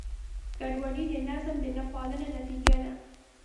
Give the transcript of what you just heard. ګډوډي د نظم د نهپالنې نتیجه ده.